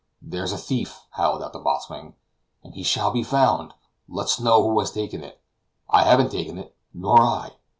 "There's a thief," howled out the boatswain, "and he shall be found! Let's know who has taken it." "I haven't taken it!" "Nor I!